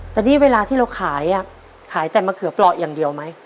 แต่นี่เวลาที่เราขายขายแต่มะเขือเปราะอย่างเดียวไหม